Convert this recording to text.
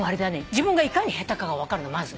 自分がいかに下手かが分かるのまず。